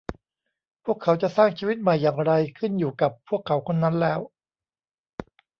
พวกเขาจะสร้างชีวิตใหม่อย่างไร ขึ้นอยู่กับ พวกเขาคนนั้นแล้ว